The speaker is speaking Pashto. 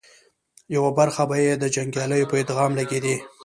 يوه برخه به یې د جنګياليو په ادغام لګېدې